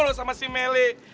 kalamu sama si mele